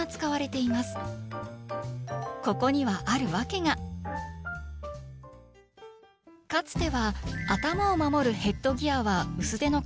ここにはある訳がかつては頭を守るヘッドギアは薄手の革製でした。